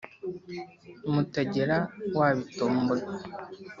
mutagera wa bitondo